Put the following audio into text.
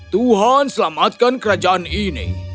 tuhan selamatkan kerajaan ini